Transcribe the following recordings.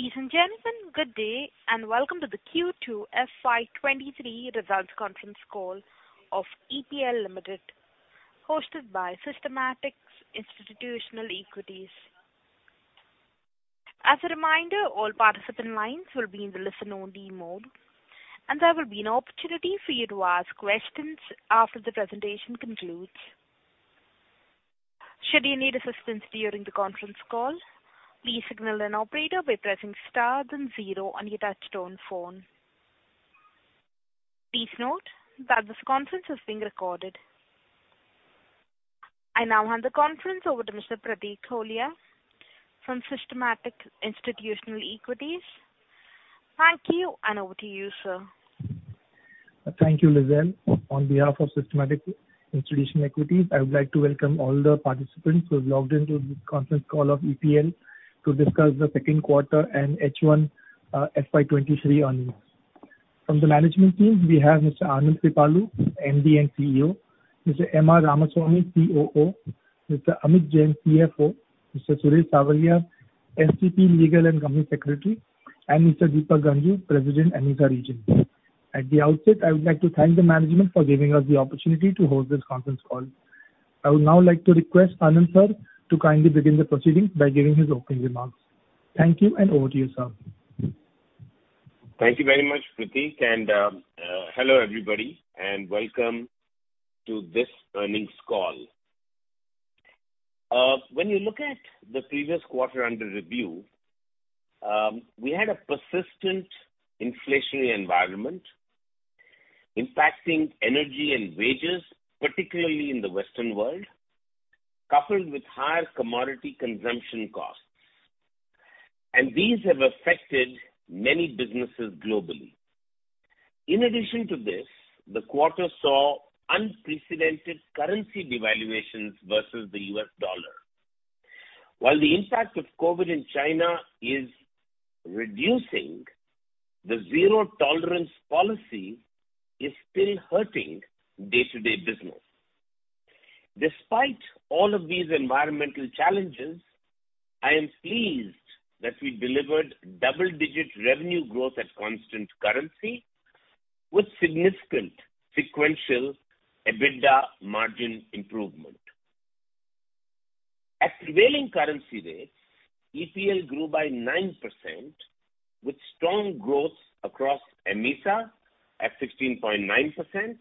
Ladies and gentlemen, good day, and welcome to the Q2 FY 2023 Results Conference Call of EPL Limited, hosted by Systematix Institutional Equities. As a reminder, all participant lines will be in the listen only mode, and there will be an opportunity for you to ask questions after the presentation concludes. Should you need assistance during the conference call, please signal an operator by pressing star then zero on your touchtone phone. Please note that this conference is being recorded. I now hand the conference over to Mr. Pratik Tholiya from Systematix Institutional Equities. Thank you, and over to you, sir. Thank you, Lizelle. On behalf of Systematix Institutional Equities, I would like to welcome all the participants who have logged in to this conference call of EPL to discuss the second quarter and H1 FY 2023 earnings. From the management team, we have Mr. Anand Kripalu, MD and CEO, Mr. M.R. Ramasamy, COO, Mr. Amit Jain, CFO, Mr. Suresh Savaliya, SCP, Legal, and Company Secretary, and Mr. Deepak Ganjoo, President, AMESA region. At the outset, I would like to thank the management for giving us the opportunity to host this conference call. I would now like to request Anand, sir, to kindly begin the proceedings by giving his opening remarks. Thank you, and over to you, sir. Thank you very much, Pratik. Hello, everybody, and welcome to this earnings call. When you look at the previous quarter under review, we had a persistent inflationary environment impacting energy and wages, particularly in the Western world, coupled with higher commodity consumption costs. These have affected many businesses globally. In addition to this, the quarter saw unprecedented currency devaluations versus the U.S. dollar. While the impact of COVID in China is reducing, the zero tolerance policy is still hurting day-to-day business. Despite all of these environmental challenges, I am pleased that we delivered double-digit revenue growth at constant currency with significant sequential EBITDA margin improvement. At prevailing currency rates, EPL grew by 9%, with strong growth across AMESA at 16.9%,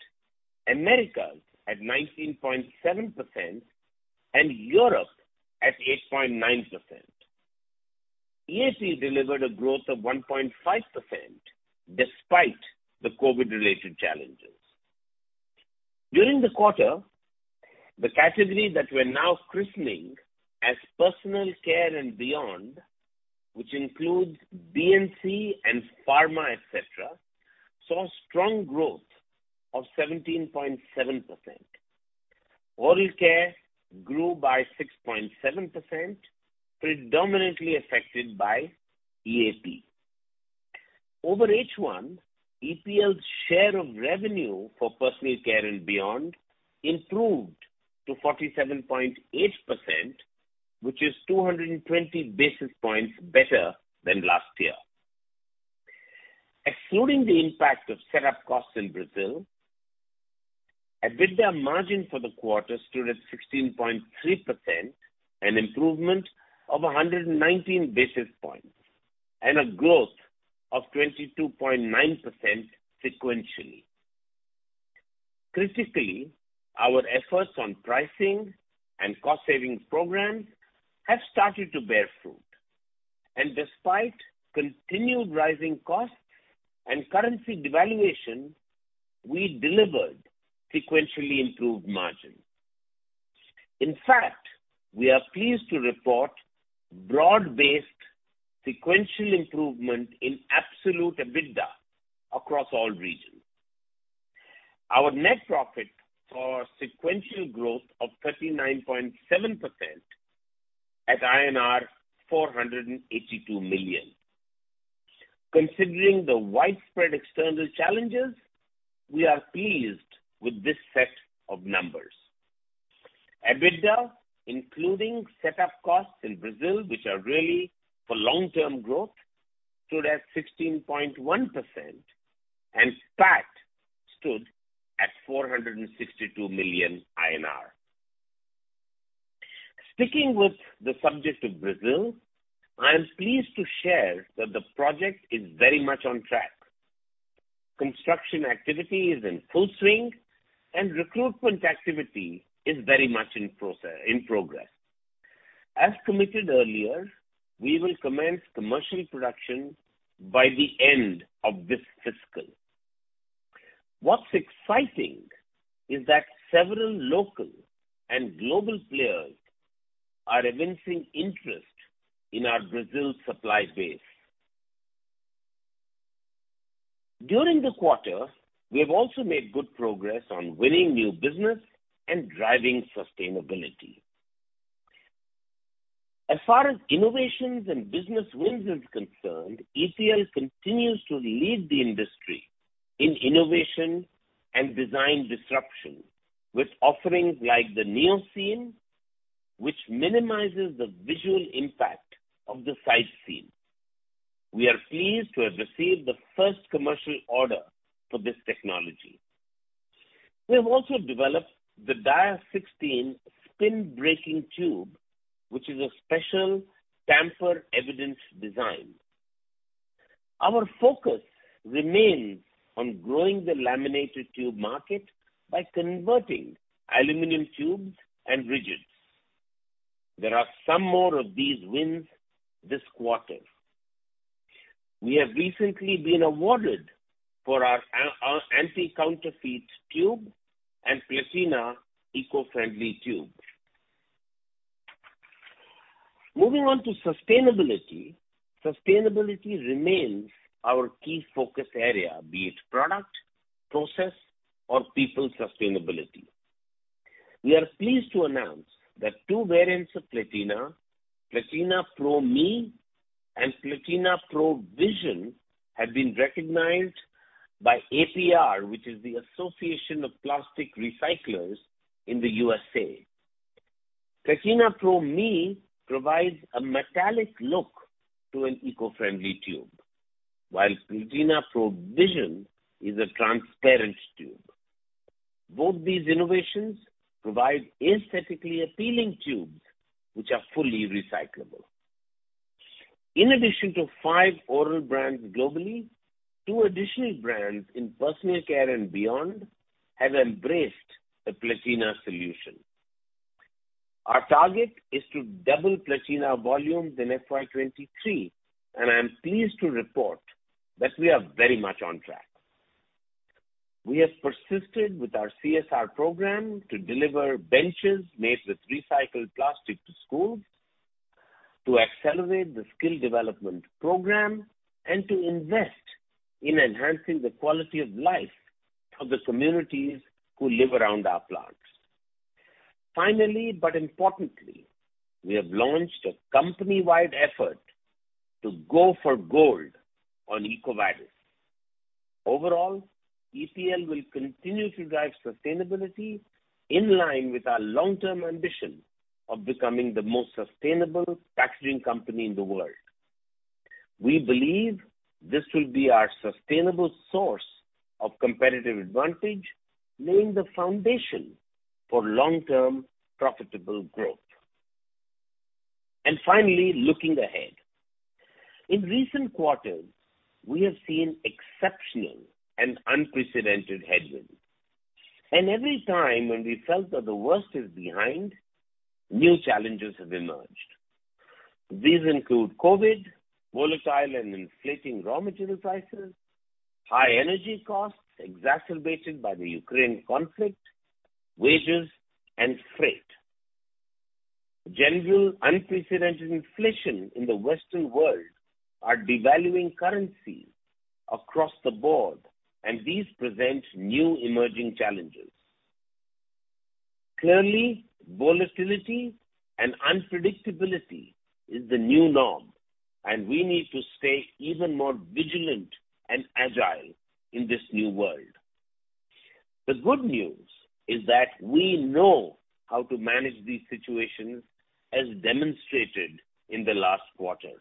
Americas at 19.7%, and Europe at 8.9%. EPL delivered a growth of 1.5% despite the COVID-related challenges. During the quarter, the category that we're now christening as personal care and beyond, which includes B&C and pharma, etc., saw strong growth of 17.7%. Oral care grew by 6.7%, predominantly affected by EAP. Over H1, EPL's share of revenue for personal care and beyond improved to 47.8%, which is 220 basis points better than last year. Excluding the impact of setup costs in Brazil, EBITDA margin for the quarter stood at 16.3%, an improvement of 119 basis points, and a growth of 22.9% sequentially. Critically, our efforts on pricing and cost savings programs have started to bear fruit. Despite continued rising costs and currency devaluation, we delivered sequentially improved margin. In fact, we are pleased to report broad-based sequential improvement in absolute EBITDA across all regions. Our net profit saw a sequential growth of 39.7% at INR 482 million. Considering the widespread external challenges, we are pleased with this set of numbers. EBITDA, including set up costs in Brazil, which are really for long-term growth, stood at 16.1%, and PAT stood at INR 462 million. Sticking with the subject of Brazil, I am pleased to share that the project is very much on track. Construction activity is in full swing and recruitment activity is very much in progress. As committed earlier, we will commence commercial production by the end of this fiscal. What's exciting is that several local and global players are evincing interest in our Brazil supply base. During the quarter, we have also made good progress on winning new business and driving sustainability. As far as innovations and business wins is concerned, EPL continues to lead the industry in innovation and design disruption with offerings like the NEOSeam, which minimizes the visual impact of the side seam. We are pleased to have received the first commercial order for this technology. We have also developed the Dia 16 tamper-evident tube, which is a special tamper-evident design. Our focus remains on growing the laminated tube market by converting aluminum tubes and rigids. There are some more of these wins this quarter. We have recently been awarded for our anti-counterfeit tube and Platina eco-friendly tube. Moving on to sustainability. Sustainability remains our key focus area, be it product, process, or people sustainability. We are pleased to announce that two variants of Platina Pro ME and Platina Pro Vision, have been recognized by APR, which is the Association of Plastic Recyclers in the USA. Platina Pro ME provides a metallic look to an eco-friendly tube, while Platina Pro Vision is a transparent tube. Both these innovations provide aesthetically appealing tubes which are fully recyclable. In addition to two oral brands globally, two additional brands in personal care and beyond have embraced the Platina solution. Our target is to double Platina volumes in FY 2023, and I am pleased to report that we are very much on track. We have persisted with our CSR program to deliver benches made with recycled plastic to schools, to accelerate the skill development program and to invest in enhancing the quality of life of the communities who live around our plants. Finally, but importantly, we have launched a company-wide effort to go for gold on EcoVadis. Overall, EPL will continue to drive sustainability in line with our long-term ambition of becoming the most sustainable packaging company in the world. We believe this will be our sustainable source of competitive advantage, laying the foundation for long-term profitable growth. Finally, looking ahead. In recent quarters, we have seen exceptional and unprecedented headwinds, and every time when we felt that the worst is behind, new challenges have emerged. These include COVID, volatile and inflating raw material prices, high energy costs exacerbated by the Ukraine conflict, wages, and freight. General unprecedented inflation in the Western world are devaluing currency across the board, and these present new emerging challenges. Clearly, volatility and unpredictability is the new norm, and we need to stay even more vigilant and agile in this new world. The good news is that we know how to manage these situations, as demonstrated in the last quarter.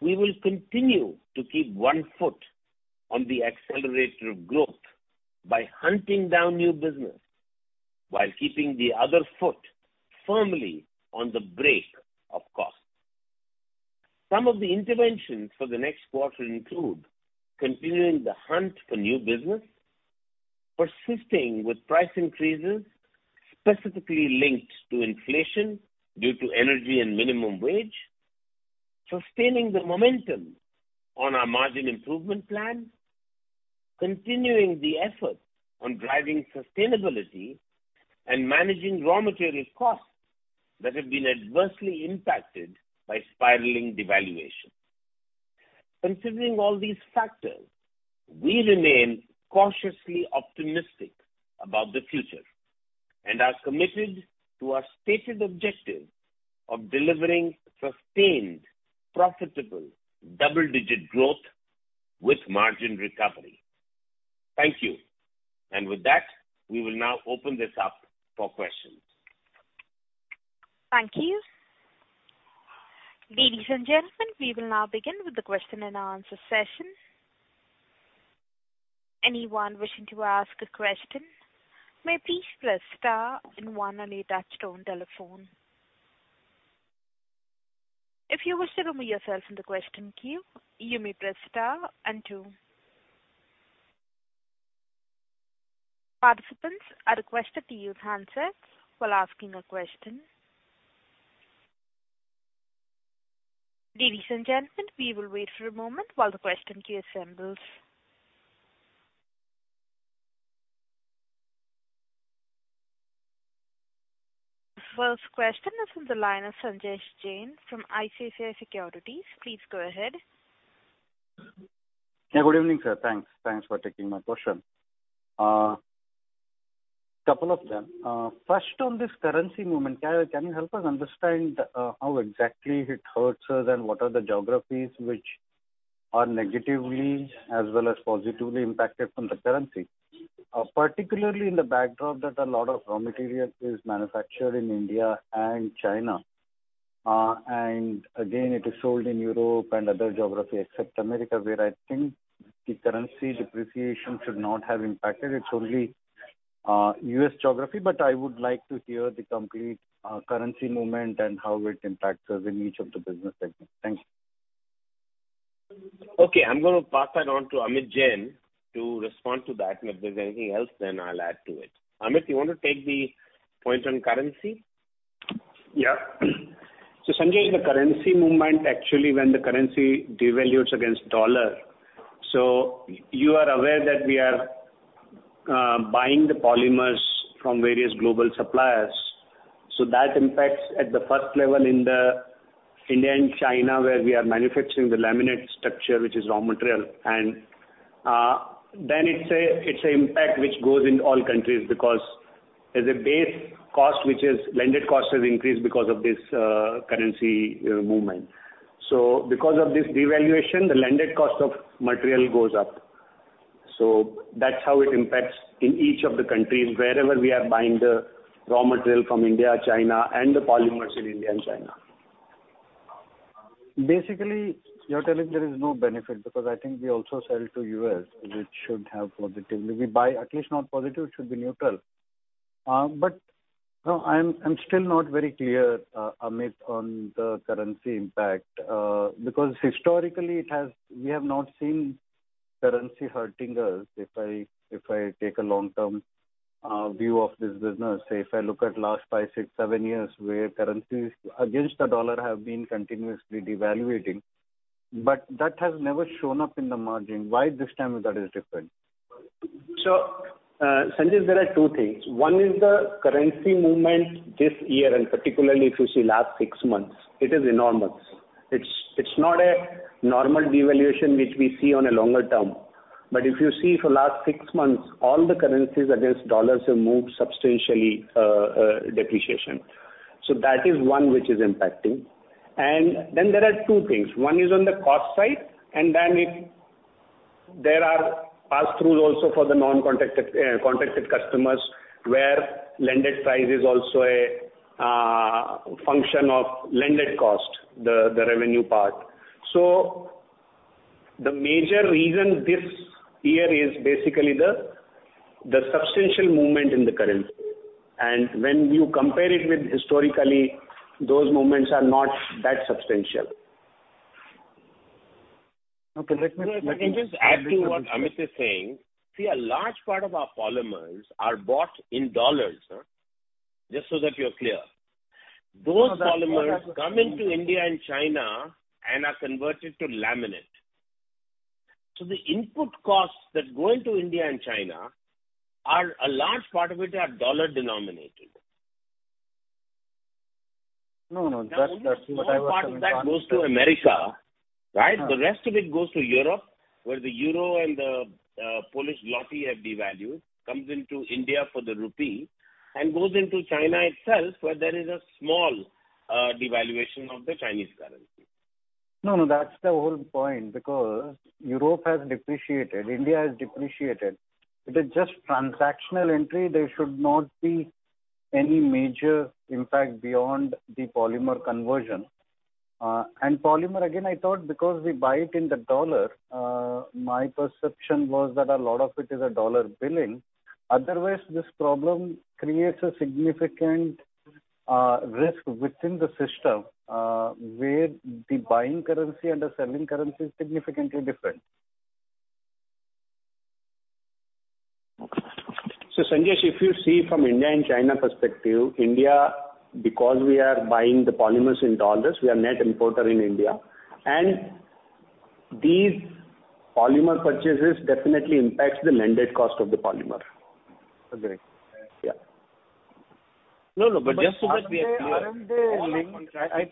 We will continue to keep one foot on the accelerator of growth by hunting down new business while keeping the other foot firmly on the brake of cost. Some of the interventions for the next quarter include continuing the hunt for new business, persisting with price increases specifically linked to inflation due to energy and minimum wage, sustaining the momentum on our margin improvement plan, continuing the effort on driving sustainability and managing raw material costs that have been adversely impacted by spiraling devaluation. Considering all these factors, we remain cautiously optimistic about the future and are committed to our stated objective of delivering sustained, profitable double-digit growth with margin recovery. Thank you. With that, we will now open this up for questions. Thank you. Ladies and gentlemen, we will now begin with the question and answer session. Anyone wishing to ask a question may please press star then one on your touchtone telephone. If you wish to remove yourself from the question queue, you may press star and two. Participants are requested to use handsets while asking a question. Ladies and gentlemen, we will wait for a moment while the question queue assembles. First question is on the line of Sanjesh Jain from ICICI Securities. Please go ahead. Yeah, good evening, sir. Thanks. Thanks for taking my question. Couple of them. First on this currency movement, can you help us understand how exactly it hurts us and what are the geographies which are negatively as well as positively impacted from the currency. Particularly in the backdrop that a lot of raw material is manufactured in India and China. Again, it is sold in Europe and other geography except America, where I think the currency depreciation should not have impacted. It's only U.S. geography. I would like to hear the complete currency movement and how it impacts us in each of the business segments. Thanks. Okay, I'm gonna pass that on to Amit Jain to respond to that. If there's anything else then I'll add to it. Amit, you wanna take the point on currency? Yeah. Sanjay, the currency movement actually when the currency devalues against the U.S. dollar. You are aware that we are buying the polymers from various global suppliers. That impacts at the first level in India and China, where we are manufacturing the laminated structure, which is raw material. Then it's an impact which goes in all countries because the base cost, which is landed cost, has increased because of this currency movement. Because of this devaluation, the landed cost of material goes up. That's how it impacts in each of the countries wherever we are buying the raw material from India, China and the polymers in India and China. Basically, you're telling there is no benefit because I think we also sell to U.S., which should have positively. We buy at least not positive, it should be neutral. No, I'm still not very clear, Amit, on the currency impact. Because historically we have not seen currency hurting us. If I take a long-term view of this business, say if I look at last five, six, seven years, where currencies against the dollar have been continuously devaluing, but that has never shown up in the margin. Why this time that is different? Sanjesh, there are two things. One is the currency movement this year, and particularly if you see last six months, it is enormous. It's not a normal devaluation which we see on a longer term. If you see for last six months, all the currencies against dollars have moved substantially, depreciation. That is one which is impacting. Then there are two things. One is on the cost side, and then it, there are pass-through also for the non-contracted, contracted customers, where landed price is also a function of landed cost, the revenue part. The major reason this year is basically the substantial movement in the currency. When you compare it with historically, those movements are not that substantial. Okay. If I can just add to what Amit is saying. See, a large part of our polymers are bought in U.S. dollars, just so that you're clear. No, that. Those polymers come into India and China and are converted to laminate. The input costs that go into India and China are a large part of it, are dollar denominated. No, no, that's what I was trying to ask. Now, only a small part of that goes to America, right? The rest of it goes to Europe, where the euro and the Polish zloty have devalued, comes into India for the rupee and goes into China itself, where there is a small devaluation of the Chinese currency. No, no, that's the whole point, because Europe has depreciated, India has depreciated. If it's just transactional entry, there should not be any major impact beyond the polymer conversion. Polymer, again, I thought because we buy it in the dollar, my perception was that a lot of it is a dollar billing. Otherwise, this problem creates a significant risk within the system, where the buying currency and the selling currency is significantly different. Sanjesh, if you see from India and China perspective, India, because we are buying the polymers in dollars, we are net importer in India. These polymer purchases definitely impacts the landed cost of the polymer. Agree. Yeah. No, no, just so that we are clear. Aren't they linked? I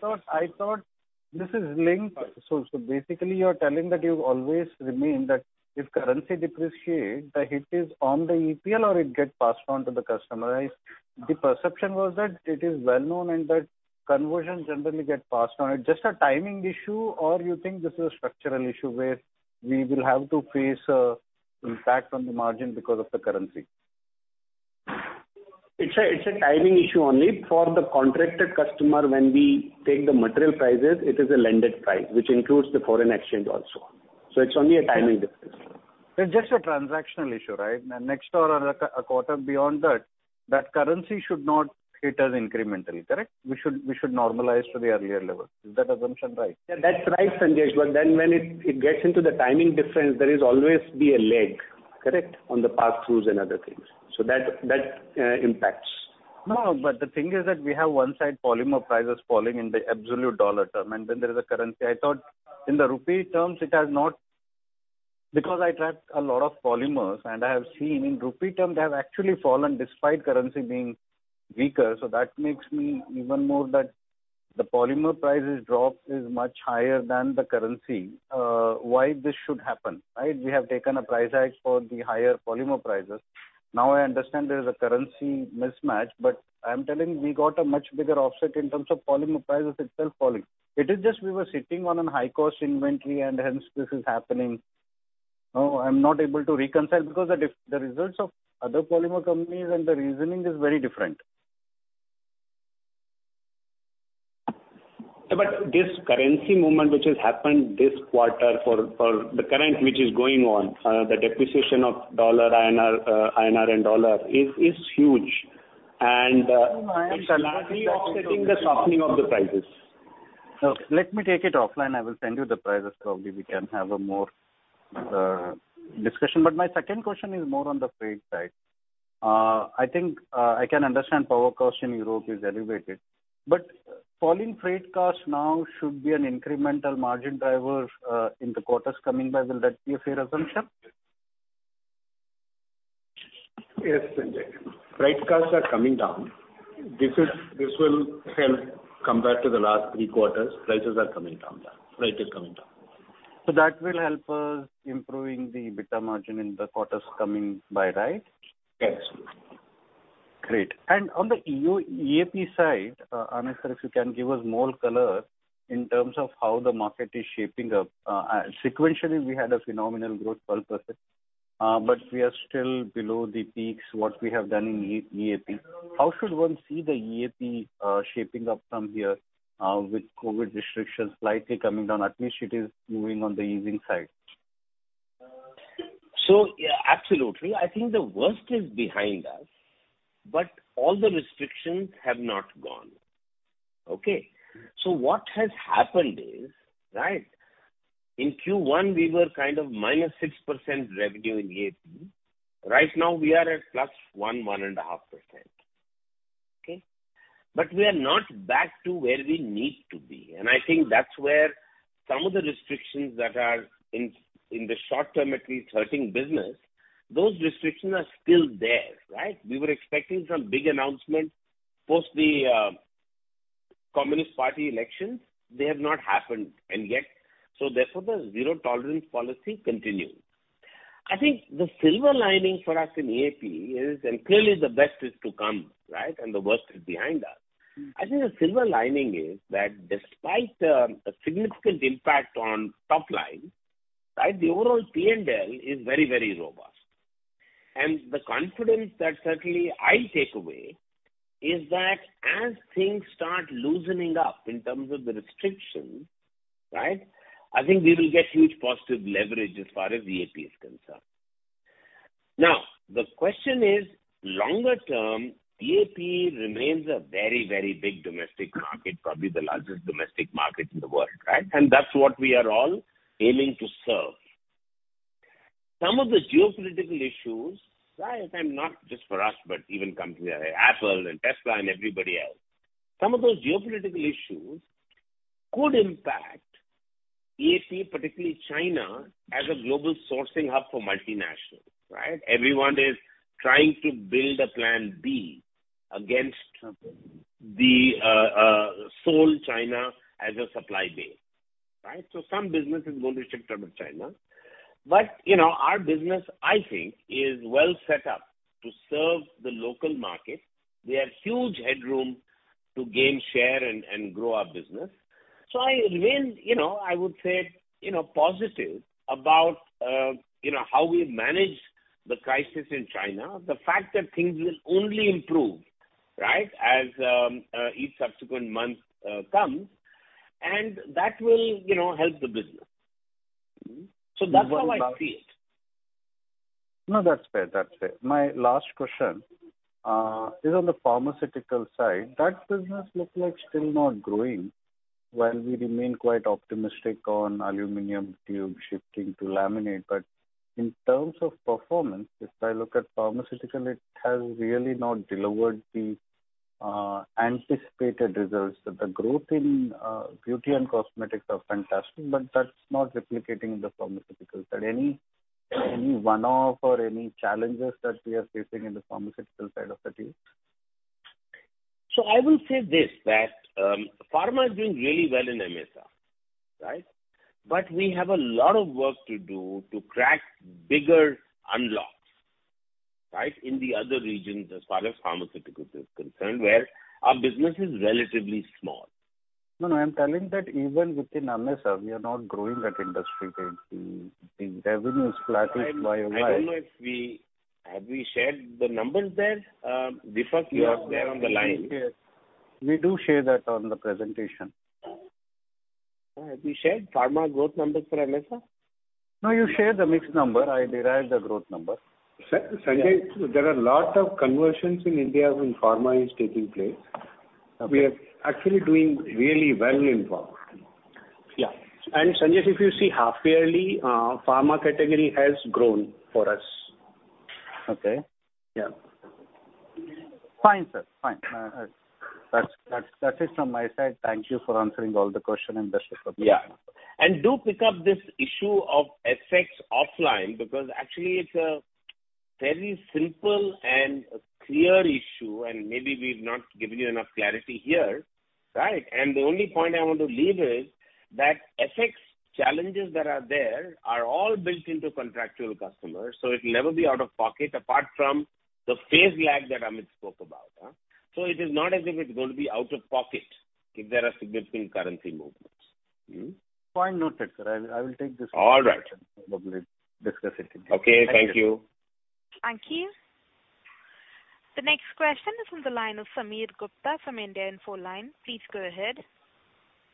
thought this is linked. Basically you're telling that you've always remained that if currency depreciate, the hit is on the EPL or it gets passed on to the customer, right? The perception was that it is well known and that conversion generally get passed on. It's just a timing issue or you think this is a structural issue where we will have to face a impact on the margin because of the currency? It's a timing issue only. For the contracted customer, when we take the material prices, it is a landed price, which includes the foreign exchange also. It's only a timing difference. It's just a transactional issue, right? Next or a quarter beyond that currency should not hit us incrementally, correct? We should normalize to the earlier level. Is that assumption right? That's right, Sanjesh Jain. When it gets into the timing difference, there'll always be a lag, correct, on the pass-throughs and other things. That impacts. No, the thing is that we have on one side polymer prices falling in the absolute US dollar terms, and then there is a currency. I thought in the rupee terms it has not. Because I track a lot of polymers, and I have seen in rupee terms, they have actually fallen despite currency being weaker. That makes me even more that the polymer prices drop is much higher than the currency. Why this should happen, right? We have taken a price hike for the higher polymer prices. Now I understand there is a currency mismatch, but I'm telling you got a much bigger offset in terms of polymer prices itself falling. It is just we were sitting on a high-cost inventory and hence this is happening. No, I'm not able to reconcile because the results of other polymer companies and the reasoning is very different. This currency movement which has happened this quarter for the current which is going on, the depreciation of dollar INR and dollar is huge. No, I am gladly offsetting the softening of the prices. Let me take it offline. I will send you the prices. Probably we can have a more, discussion. My second question is more on the freight side. I think, I can understand power cost in Europe is elevated, but falling freight costs now should be an incremental margin driver, in the quarters coming by. Will that be a fair assumption? Yes, Sanjesh Jain. Freight costs are coming down. This will help compared to the last three quarters. Prices are coming down. Freight is coming down. that will help us improving the EBITDA margin in the quarters coming by, right? Yes. Great. On the EAP side, Anand Kripalu, sir, if you can give us more color in terms of how the market is shaping up. Sequentially, we had a phenomenal growth, 12%, but we are still below the peaks what we have done in EAP. How should one see the EAP shaping up from here, with COVID restrictions slightly coming down? At least it is moving on the easing side. Yeah, absolutely. I think the worst is behind us, but all the restrictions have not gone. Okay? What has happened is, right, in Q1 we were kind of -6% revenue in EAP. Right now we are at +1.5%. Okay? We are not back to where we need to be. I think that's where some of the restrictions that are in the short term at least hurting business, those restrictions are still there, right? We were expecting some big announcements post the Communist Party elections. They have not happened and yet. Therefore, the zero tolerance policy continues. I think the silver lining for us in EAP is, and clearly the best is to come, right? The worst is behind us. I think the silver lining is that despite the significant impact on top line, right, the overall P&L is very, very robust. The confidence that certainly I take away is that as things start loosening up in terms of the restrictions, right, I think we will get huge positive leverage as far as EAP is concerned. Now, the question is, longer term, EAP remains a very, very big domestic market, probably the largest domestic market in the world, right? That's what we are all aiming to serve. Some of the geopolitical issues, right, and not just for us, but even companies like Apple and Tesla and everybody else. Some of those geopolitical issues could impact EAP, particularly China, as a global sourcing hub for multinationals, right? Everyone is trying to build a plan B against the sole China as a supply base, right? Some business is going to shift out of China. You know, our business, I think, is well set up to serve the local market. We have huge headroom to gain share and grow our business. I remain, you know, I would say, you know, positive about, you know, how we manage the crisis in China. The fact that things will only improve, right, as each subsequent month comes, and that will, you know, help the business. That's how I see it. No, that's fair. That's fair. My last question is on the pharmaceutical side. That business looks like still not growing. We remain quite optimistic on aluminum tube shifting to laminate. In terms of performance, if I look at pharmaceutical, it has really not delivered the anticipated results. The growth in beauty and cosmetics are fantastic, but that's not replicating in the pharmaceutical side. Any one-off or any challenges that we are facing in the pharmaceutical side of the tubes? I will say this, that, pharma is doing really well in AMESA, right? We have a lot of work to do to crack bigger unlocks, right, in the other regions as far as pharmaceuticals is concerned, where our business is relatively small. No, no, I'm telling that even within AMESA, we are not growing at industry rate. The revenue is flattish YOY. Have we shared the numbers there? Deepak, you are there on the line. Yes. We do share that on the presentation. Have you shared pharma growth numbers for AMESA? No, you share the mixed number. I derive the growth number. Sanjesh Jain, there are lot of conversions in India when pharma is taking place. Okay. We are actually doing really well in pharma. Yeah. Sanjesh Jain, if you see half yearly, pharma category has grown for us. Okay. Yeah. Fine, sir. Fine. That's it from my side. Thank you for answering all the question in best of your Yeah. Do pick up this issue of FX offline, because actually it's a very simple and clear issue, and maybe we've not given you enough clarity here. Right. The only point I want to leave is that FX challenges that are there are all built into contractual customers, so it'll never be out of pocket apart from the phase lag that Amit spoke about. It is not as if it's going to be out of pocket if there are significant currency movements. Point noted, sir. I will take this. All right. Probably discuss it with you. Okay, thank you. Thank you. The next question is on the line of Sameer Gupta from India Infoline. Please go ahead.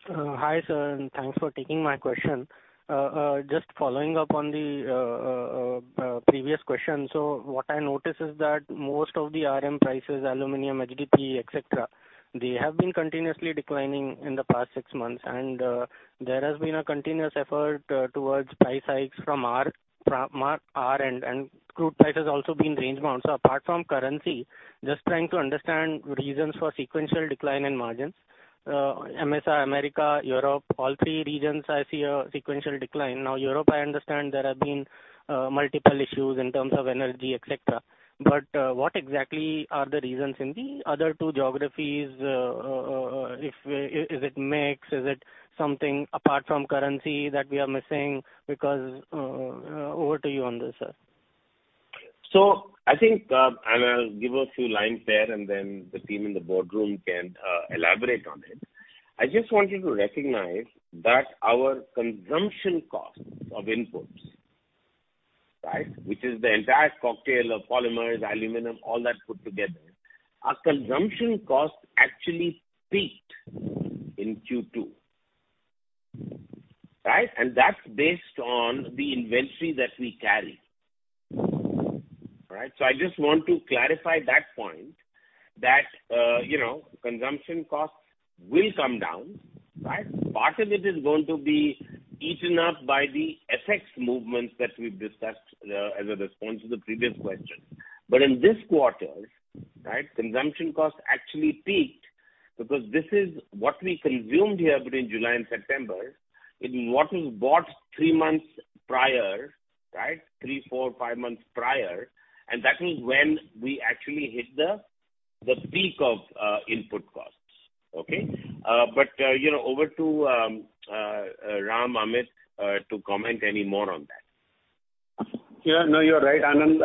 Hi, sir, and thanks for taking my question. Just following up on the previous question. What I noticed is that most of the RM prices, aluminum, HDPE, et cetera, they have been continuously declining in the past six months. There has been a continuous effort towards price hikes from our end, and crude price has also been range bound. Apart from currency, just trying to understand reasons for sequential decline in margins. AMESA, Americas, Europe, all three regions I see a sequential decline. Now, Europe, I understand there have been multiple issues in terms of energy, et cetera, but what exactly are the reasons in the other two geographies? Is it mix? Is it something apart from currency that we are missing? Because over to you on this, sir. I think, and I'll give a few lines there, and then the team in the boardroom can elaborate on it. I just want you to recognize that our consumption costs of inputs, right, which is the entire cocktail of polymers, aluminum, all that put together, our consumption costs actually peaked in Q2. Right? That's based on the inventory that we carry. Right. I just want to clarify that point, that, you know, consumption costs will come down, right? Part of it is going to be eaten up by the FX movements that we've discussed, as a response to the previous question. In this quarter, right, consumption costs actually peaked because this is what we consumed here between July and September is what we bought three months prior, right, three, four, five months prior. That is when we actually hit the peak of input costs. Okay? You know, over to Ram, Amit, to comment any more on that. Yeah. No, you're right, Anand,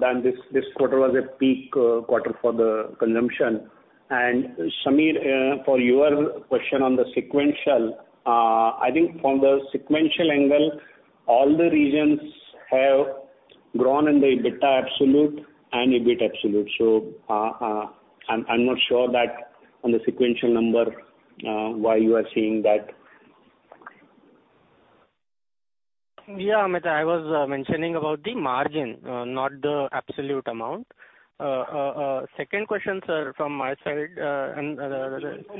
that this quarter was a peak quarter for the consumption. Sameer, for your question on the sequential, I think from the sequential angle, all the regions have grown in the EBITDA absolute and EBIT absolute. I'm not sure that on the sequential number, why you are seeing that. Yeah, Amit, I was mentioning about the margin, not the absolute amount. Second question, sir, from my side, and.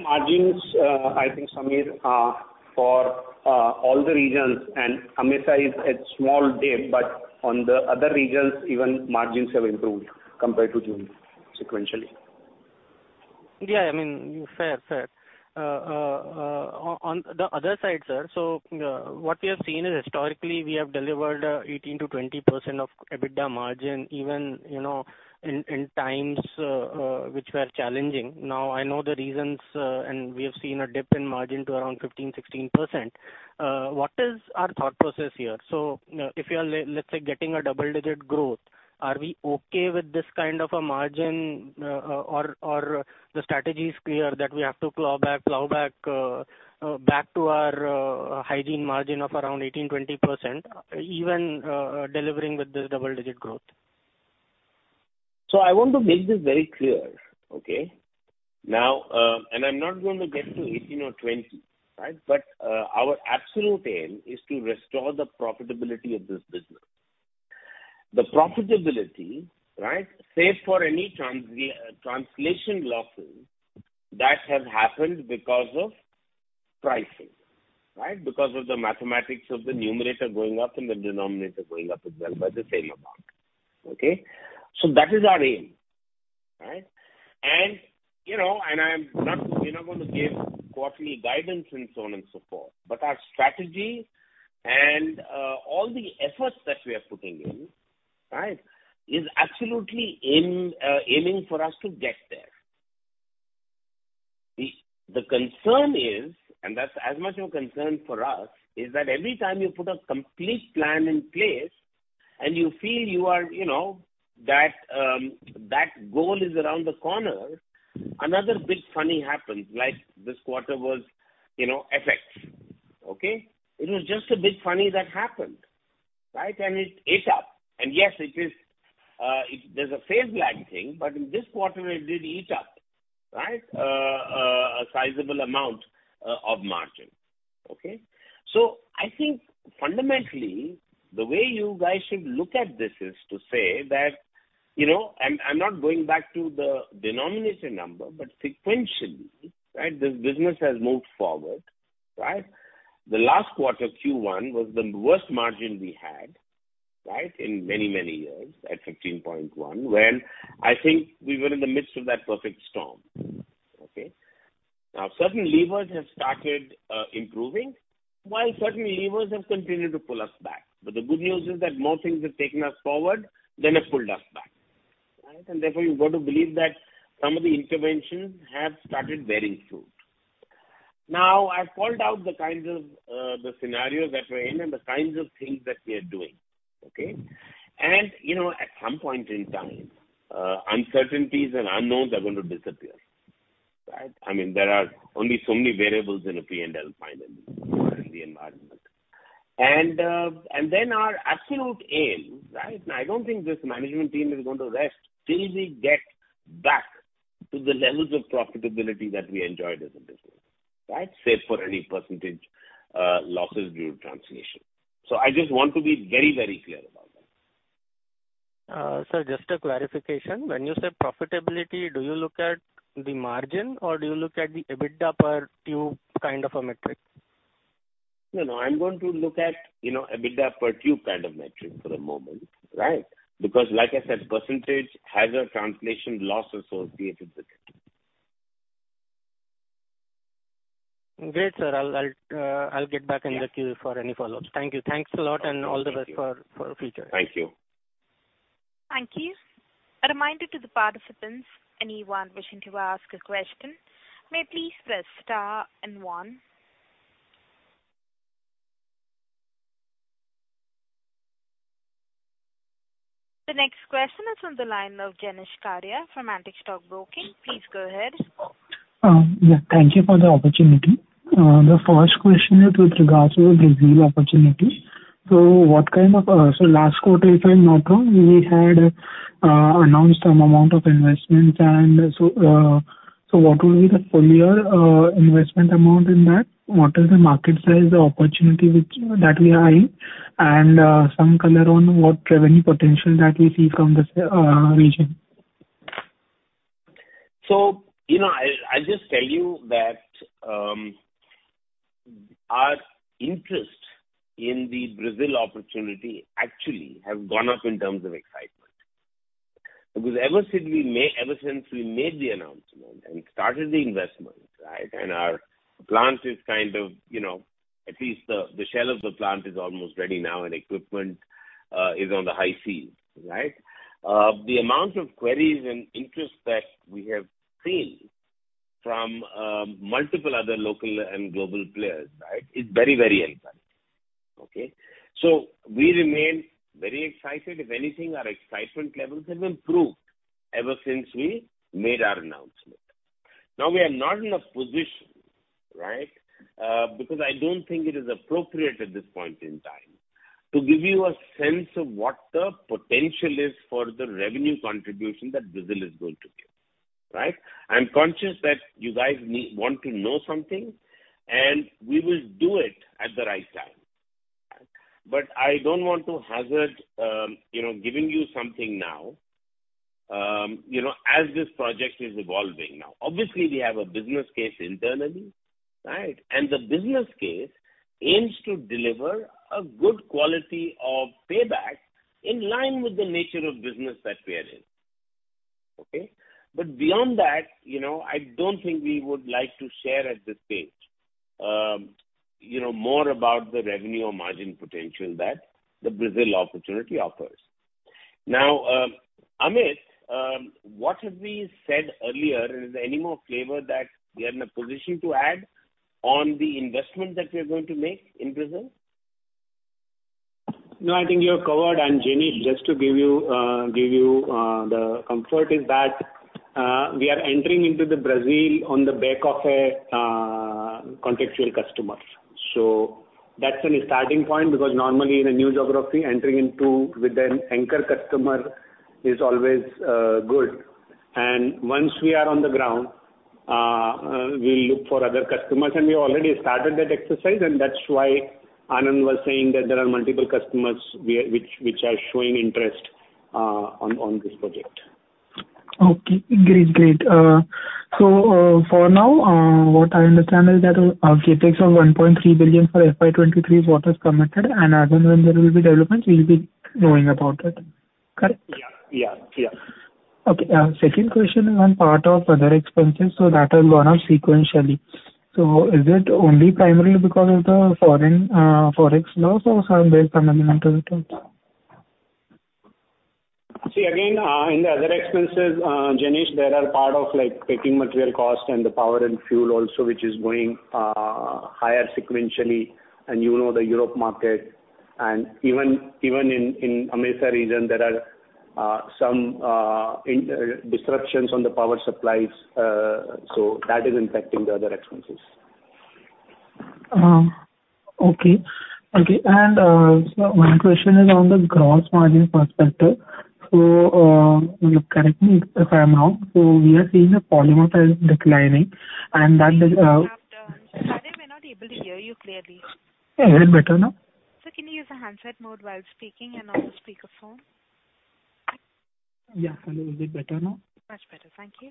Margins, I think, Sameer, for all the regions and AMESA is a small dip, but on the other regions, even margins have improved compared to June sequentially. Yeah, I mean, fair. On the other side, sir, what we have seen is historically we have delivered 18%-20% EBITDA margin even in times which were challenging. Now, I know the reasons, and we have seen a dip in margin to around 15%-16%. What is our thought process here? If you are, let's say, getting a double-digit growth, are we okay with this kind of a margin, or the strategy is clear that we have to claw back, plow back to our hygiene margin of around 18%-20% even delivering with the double-digit growth? I want to make this very clear, okay? Now, I'm not going to get to 18 or 20, right? Our absolute aim is to restore the profitability of this business. The profitability, right, save for any translation losses that have happened because of pricing, right, because of the mathematics of the numerator going up and the denominator going up as well by the same amount. Okay? That is our aim. Right? You know, we're not going to give quarterly guidance and so on and so forth. Our strategy and all the efforts that we are putting in, right, is absolutely aiming for us to get there. The concern is, and that's as much of a concern for us, is that every time you put a complete plan in place and you feel you are, you know, that goal is around the corner, another funny bit happens, like this quarter was, you know, FX. Okay? It was just a funny bit that happened, right? It ate up. Yes, it is, there's a phase lag thing, but in this quarter it did eat up, right, a sizable amount of margin. Okay? I think fundamentally, the way you guys should look at this is to say that, you know, I'm not going back to the denominator number, but sequentially, right, this business has moved forward, right? The last quarter, Q1, was the worst margin we had, right, in many, many years at 15.1%, when I think we were in the midst of that perfect storm. Okay? Now, certain levers have started improving, while certain levers have continued to pull us back. The good news is that more things have taken us forward than have pulled us back. Therefore, you've got to believe that some of the interventions have started bearing fruit. Now, I've called out the kinds of the scenarios that we're in and the kinds of things that we are doing, okay? You know, at some point in time, uncertainties and unknowns are going to disappear, right? I mean, there are only so many variables in a P&L finally in the environment. And then our absolute aim, right? Now, I don't think this management team is going to rest till we get back to the levels of profitability that we enjoyed as a business, right? Save for any percentage losses due to translation. I just want to be very, very clear about that. Sir, just a clarification. When you say profitability, do you look at the margin or do you look at the EBITDA per tube kind of a metric? No, no, I'm going to look at, you know, EBITDA per tube kind of metric for the moment, right? Because like I said, percentage has a translation loss associated with it. Great, sir. I'll get back in the queue for any follow-ups. Thank you. Thanks a lot and all the best for future. Thank you. Thank you. A reminder to the participants, anyone wishing to ask a question may please press star and one. The next question is on the line of Jenish Karia from Antique Stock Broking. Please go ahead. Yeah. Thank you for the opportunity. The first question is with regards to the Brazil opportunity. Last quarter, if I'm not wrong, we had announced some amount of investments and so, what will be the full year investment amount in that? What is the market size opportunity that we are in? Some color on what revenue potential that we see from this region. You know, I'll just tell you that our interest in the Brazil opportunity actually have gone up in terms of excitement. Because ever since we made the announcement and started the investment, right, and our plant is kind of, you know, at least the shell of the plant is almost ready now and equipment is on the high seas, right? The amount of queries and interest that we have seen from multiple other local and global players, right, is very, very encouraging. Okay. We remain very excited. If anything, our excitement levels have improved ever since we made our announcement. Now, we are not in a position, right, because I don't think it is appropriate at this point in time to give you a sense of what the potential is for the revenue contribution that Brazil is going to give, right? I'm conscious that you guys want to know something, and we will do it at the right time. I don't want to hazard, you know, giving you something now, you know, as this project is evolving now. Obviously, we have a business case internally, right? The business case aims to deliver a good quality of payback in line with the nature of business that we are in. Okay. Beyond that, you know, I don't think we would like to share at this stage, you know, more about the revenue or margin potential that the Brazil opportunity offers. Now, Amit, what have we said earlier and is there any more flavor that we are in a position to add on the investment that we are going to make in Brazil? No, I think you have covered. Jenish, just to give you the comfort is that we are entering into Brazil on the back of a contractual customer. That's a starting point because normally in a new geography, entering into with an anchor customer is always good. Once we are on the ground, we'll look for other customers, and we already started that exercise, and that's why Anand was saying that there are multiple customers which are showing interest on this project. Okay, great. For now, what I understand is that our CapEx of 1.3 billion for FY 2023 is what is committed and as and when there will be developments, we'll be knowing about it. Correct? Yeah. Okay. Second question is on part of other expenses, that has gone up sequentially. Is it only primarily because of the foreign Forex loss or some basic fundamental reasons? See, again, in the other expenses, Jenish, there are parts of, like, packing material cost and the power and fuel also, which is going higher sequentially. You know the Europe market and even in America region, there are some disruptions on the power supplies, so that is impacting the other expenses. Okay. My question is on the gross margin perspective. Correct me if I'm wrong. We are seeing the polymer price declining and that is Sir, we're not able to hear you clearly. Yeah, is it better now? Sir, can you use the handset mode while speaking and on the speaker phone? Yeah. Hello, is it better now? Much better. Thank you.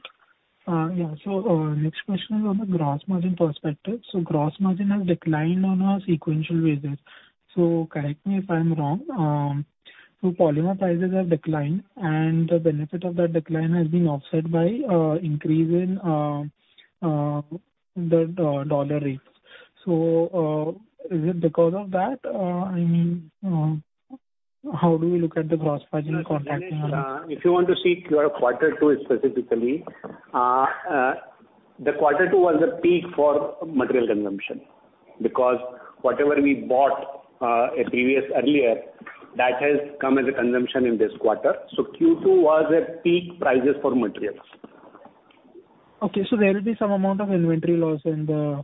Next question is on the gross margin perspective. Gross margin has declined on a sequential basis. Correct me if I'm wrong. Polymer prices have declined, and the benefit of that decline has been offset by increase in the dollar rates. Is it because of that, I mean, how do we look at the gross margin contracting- Jenish Karia, if you want to see quarter two specifically, the quarter two was a peak for material consumption because whatever we bought in previous earlier, that has come as a consumption in this quarter. Q2 was at peak prices for materials. Okay, there will be some amount of inventory loss in the,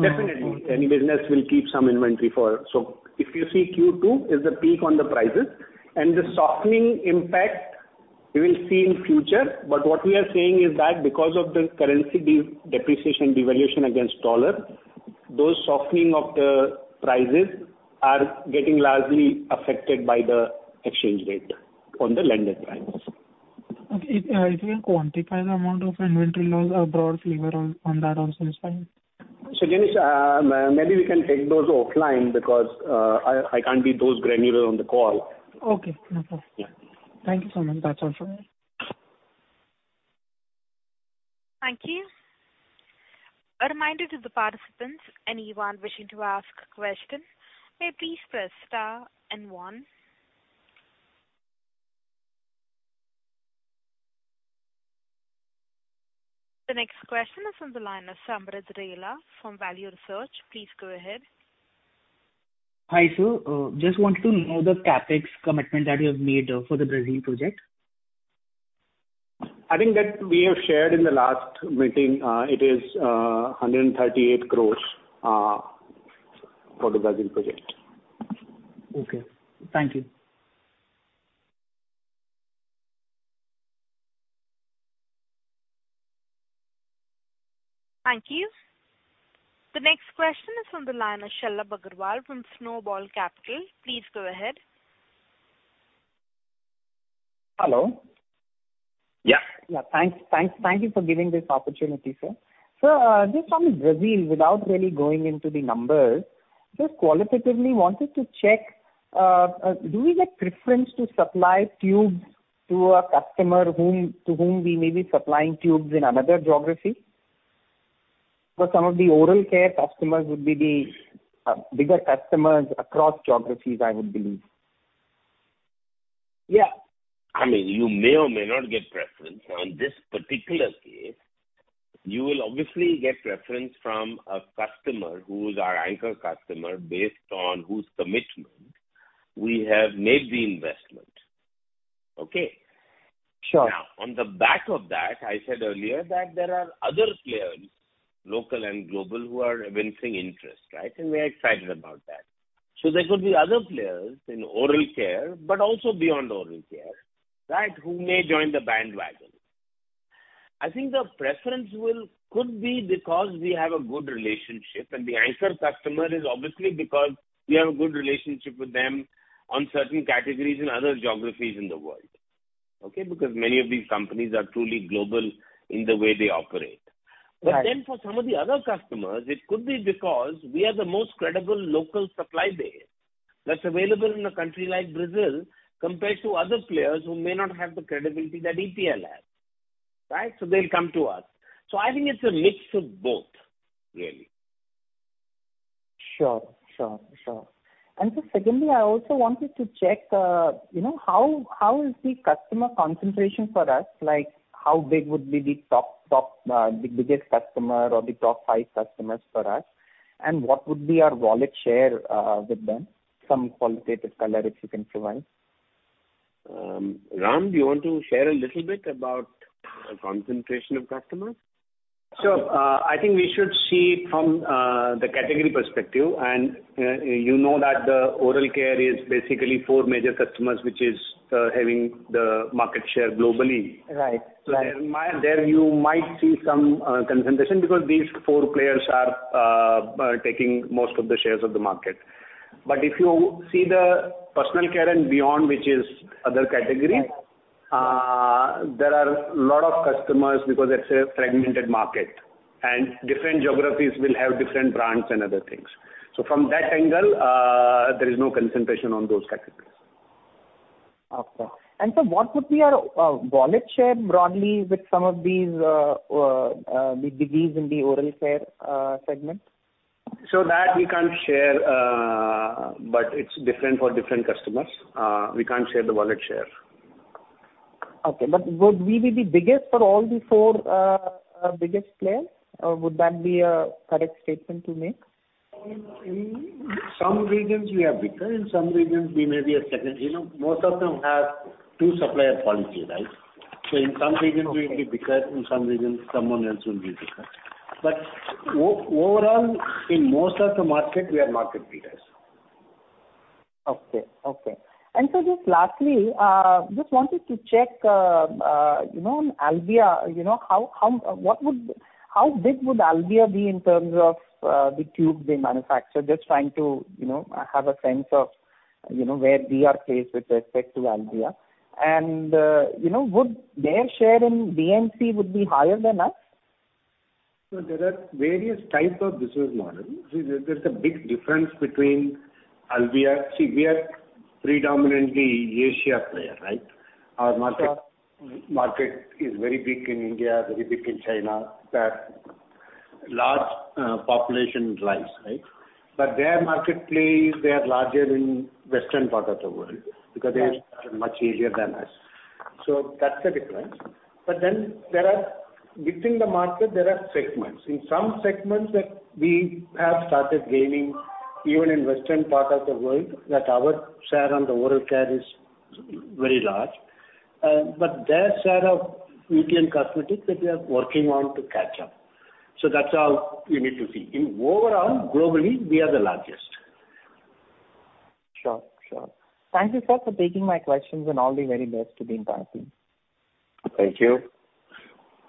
Definitely. Any business will keep some inventory. If you see Q2 is the peak on the prices and the softening impact we will see in future. What we are saying is that because of the currency depreciation, devaluation against dollar, those softening of the prices are getting largely affected by the exchange rate on the landed price. Okay. If you can quantify the amount of inventory loss or broad flavor on that also is fine. Jenish, maybe we can take those offline because, I can't be that granular on the call. Okay. No problem. Yeah. Thank you so much. That's all from me. Thank you. A reminder to the participants, anyone wishing to ask question, may please press star and one. The next question is from the line of Samridh Rela from Value Research. Please go ahead. Hi, sir. Just wanted to know the CapEx commitment that you have made for the Brazil project. I think that we have shared in the last meeting. It is 138 crores for the Brazil project. Okay. Thank you. Thank you. The next question is from the line of Shalabh Agarwal from Snowball Capital. Please go ahead. Hello. Yeah. Yeah. Thanks. Thank you for giving this opportunity, sir. Sir, just on Brazil, without really going into the numbers, just qualitatively wanted to check, do we get preference to supply tubes to a customer to whom we may be supplying tubes in another geography? Because some of the oral care customers would be the bigger customers across geographies, I would believe. Yeah. I mean, you may or may not get preference. On this particular case, you will obviously get preference from a customer who is our anchor customer based on whose commitment we have made the investment. Okay? Sure. Now, on the back of that, I said earlier that there are other players, local and global, who are evincing interest, right? We are excited about that. There could be other players in oral care, but also beyond oral care, right, who may join the bandwagon. I think the preference could be because we have a good relationship, and the anchor customer is obviously because we have a good relationship with them on certain categories in other geographies in the world. Okay? Because many of these companies are truly global in the way they operate. Right. For some of the other customers, it could be because we are the most credible local supply base that's available in a country like Brazil compared to other players who may not have the credibility that EPL has, right? They'll come to us. I think it's a mix of both, really. Sure. Secondly, I also wanted to check, you know, how is the customer concentration for us? Like, how big would be the top the biggest customer or the top five customers for us? And what would be our wallet share with them? Some qualitative color if you can provide. Ram, do you want to share a little bit about the concentration of customers? Sure. I think we should see from the category perspective, and you know that the oral care is basically four major customers, which is having the market share globally. Right. Right. there you might see some concentration because these four players are taking most of the shares of the market. If you see the personal care and beyond, which is other categories. Right. There are a lot of customers because it's a fragmented market, and different geographies will have different brands and other things. From that angle, there is no concentration on those categories. Okay. What would be our wallet share broadly with some of these the biggies in the oral care segment? that we can't share, but it's different for different customers. We can't share the wallet share. Okay. Would we be the biggest for all the four biggest players? Would that be a correct statement to make? In some regions we are bigger, in some regions we may be a second. You know, most of them have two supplier policy, right? In some regions we will be bigger, in some regions someone else will be bigger. Overall, in most of the market, we are market leaders. Okay. Just lastly, just wanted to check, you know, Albea, you know, how big would Albea be in terms of the tubes they manufacture? Just trying to, you know, have a sense of, you know, where we are placed with respect to Albea. You know, would their share in DMC would be higher than us? There are various types of business models. There's a big difference. See, we are predominantly Asian player, right? Our market is very big in India, very big in China, where large population lies, right? Their market, they are larger in western part of the world because they started much earlier than us. That's the difference. There are within the market, there are segments. In some segments we have started gaining even in western part of the world, our share in the oral care is very large. Their share in beauty and cosmetics we are working on to catch up. That's all we need to see. Overall, globally, we are the largest. Sure. Thank you, sir, for taking my questions, and all the very best to the entire team. Thank you.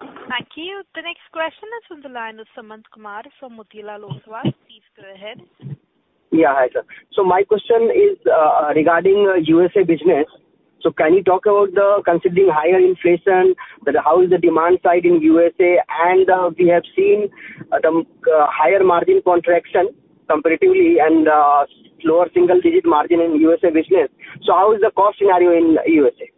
Thank you. The next question is from the line of Sumant Kumar from Motilal Oswal. Please go ahead. Yeah, hi, sir. My question is regarding USA business. Can you talk about, considering higher inflation, how the demand side in USA is, and we have seen the higher margin contraction competitively and slower single-digit margin in USA business. How is the cost scenario in USA?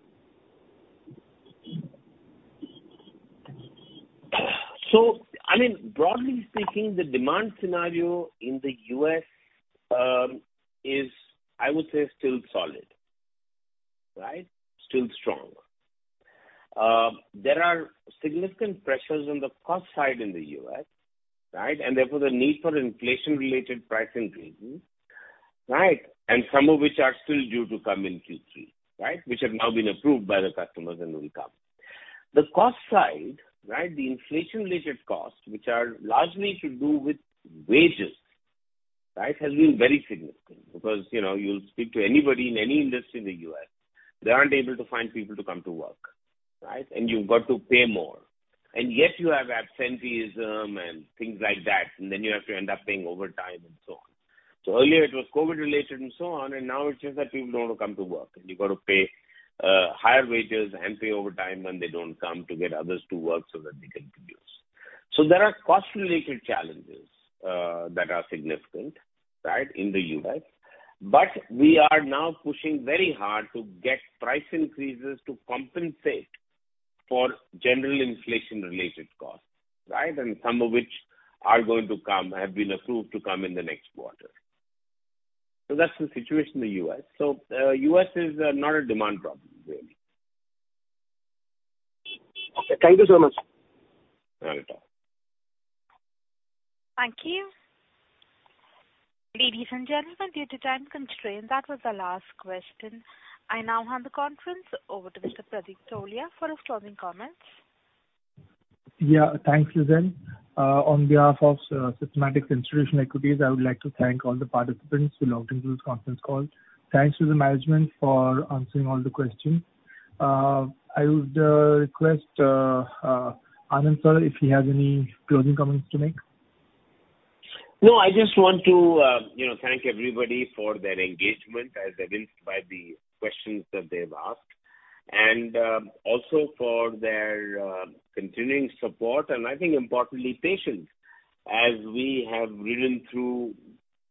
I mean, broadly speaking, the demand scenario in the U.S. is, I would say, still solid, right? Still strong. There are significant pressures on the cost side in the U.S., right? And therefore, the need for inflation-related price increases, right? And some of which are still due to come in Q3, right? Which have now been approved by the customers and will come. The cost side, right, the inflation-related costs, which are largely to do with wages, right, has been very significant. Because, you know, you'll speak to anybody in any industry in the U.S., they aren't able to find people to come to work, right? And you've got to pay more. And yes, you have absenteeism and things like that, and then you have to end up paying overtime and so on. Earlier it was COVID-related and so on, and now it's just that people don't want to come to work, and you've got to pay higher wages and pay overtime when they don't come to get others to work so that they can produce. There are cost-related challenges that are significant, right, in the U.S. But we are now pushing very hard to get price increases to compensate for general inflation-related costs, right? Some of which are going to come, have been approved to come in the next quarter. That's the situation in the U.S. U.S. is not a demand problem really. Okay, thank you so much. No problem. Thank you. Ladies and gentlemen, due to time constraint, that was the last question. I now hand the conference over to Mr. Pratik Tholiya for his closing comments. Yeah, thanks, Lizelle. On behalf of Systematix Institutional Equities, I would like to thank all the participants who logged into this conference call. Thanks to the management for answering all the questions. I would request Anand sir, if he has any closing comments to make. No, I just want to, you know, thank everybody for their engagement, as evinced by the questions that they've asked. Also for their continuing support and I think importantly, patience, as we have ridden through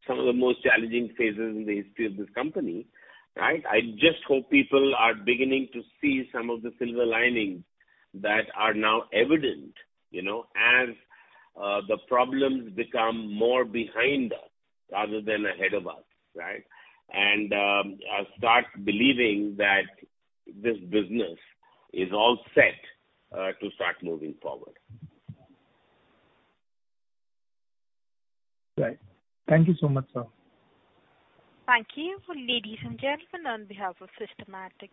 some of the most challenging phases in the history of this company, right? I just hope people are beginning to see some of the silver linings that are now evident, you know, as the problems become more behind us rather than ahead of us, right? Start believing that this business is all set to start moving forward. Right. Thank you so much, sir. Thank you. Ladies and gentlemen, on behalf of Systematix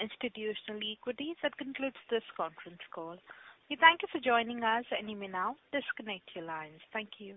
Institutional Equities, that concludes this conference call. We thank you for joining us, and you may now disconnect your lines. Thank you.